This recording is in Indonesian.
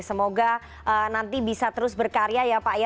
semoga nanti bisa terus berkarya ya pak ya